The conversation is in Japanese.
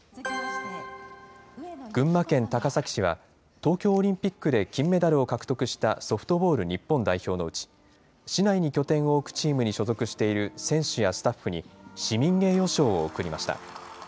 群馬県高崎市は、東京オリンピックで金メダルを獲得したソフトボール日本代表のうち、市内に拠点を置くチームに所属している選手やスタッフに、市民栄誉賞を贈りました。